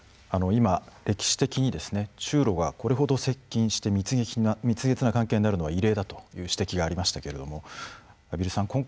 今歴史的にですね中ロがこれほど接近して蜜月な関係になるのは異例だという指摘がありましたけども畔蒜さん